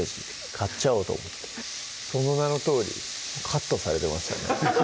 買っちゃおうと思ってその名のとおりカットされてましたね